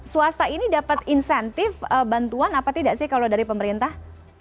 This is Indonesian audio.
swasta ini dapat insentif bantuan apa tidak sih kalau dari pemerintah